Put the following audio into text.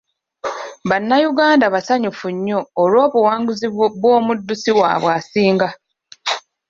Bannayuganda basanyufu nnyo olw'obuwanguzi bw'omuddusi waabwe asinga.